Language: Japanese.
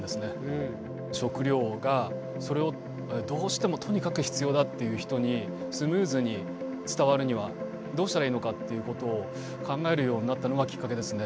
食料がそれをどうしてもとにかく必要だという人にスムーズに伝わるにはどうしたらいいのかということを考えるようになったのがきっかけですね。